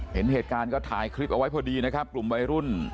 เห็นเหตุการณ์ก็ถ่ายคลิปเอาไว้พอดีนะครับกลุ่มวัยรุ่น